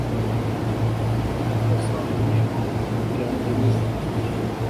kugasambi niho ibyanjye bizava